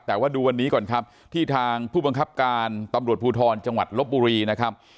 แต่ว่าดูวันนี้ก่อนครับที่ทางผู้บังคับการตำรวจภูทรจังหวัดลบบุรีนะครับ